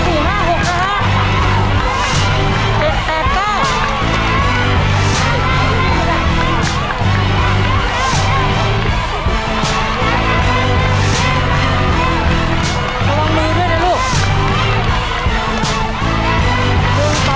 อย่าลืมเจ้าอีกครั้ง